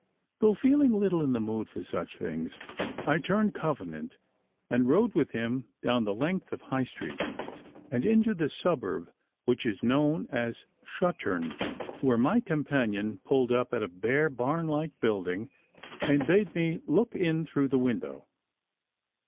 Though feeling little in the mood for such things, I turned Covenant and rode with him down the length of High Street, and into the suburb which is known as Shuttern, where my companion pulled up at a bare barn like building, and bade me look in through the window.